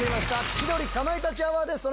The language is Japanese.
『千鳥かまいたちアワー』です。